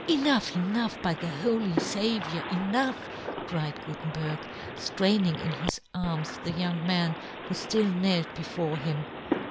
'"" Enough, enough, by the Holy " Saviour, enough !" cried Guten berg, ftraining in his arms the young man who ftill knelt before him.